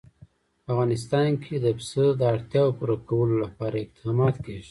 په افغانستان کې د پسه د اړتیاوو پوره کولو لپاره اقدامات کېږي.